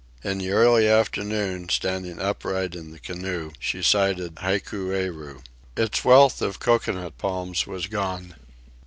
In the early afternoon, standing upright in the canoe, she sighted Hikueru. Its wealth of cocoanut palms was gone.